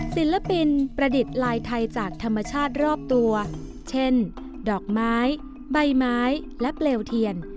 ศิลปินประดิษฐ์ลายไทยจากธรรมชาติรอบตัวเช่นดอกไม้ใบไม้และเปลวเทียน